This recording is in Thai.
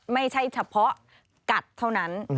ไม่ใช่เฉพาะกัดเท่านั้น